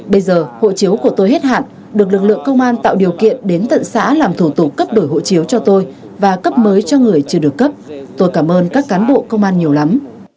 bây giờ hộ chiếu của tôi hết hạn được lực lượng công an tạo điều kiện đến tận xã làm thủ tục cấp đổi hộ chiếu cho tôi và cấp mới cho người chưa được cấp tôi cảm ơn các cán bộ công an nhiều lắm